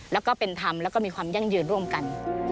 แล้วก็เป็นธรรมแล้วก็มีความยั่งยืนร่วมกัน